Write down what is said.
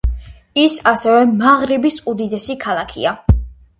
ის ასევე მაღრიბის უდიდესი ქალაქია.